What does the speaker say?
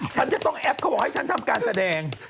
ฉันจะต้องแอปเขาบอกให้ฉันทำการแสดง